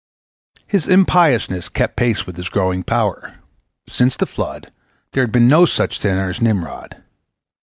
His impiousness kept pace with his growing power. Since the flood there had been no such sinner as Nimrod.